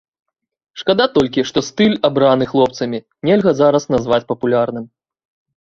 Шкада толькі, што стыль, абраны хлопцамі, нельга зараз назваць папулярным.